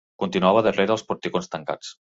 Continuava darrere els porticons tancats